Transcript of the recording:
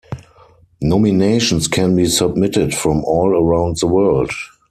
Nominations can be submitted from all around the world.